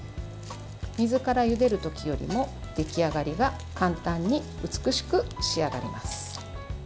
水からゆでる時よりも出来上がりが簡単に美しく仕上がります。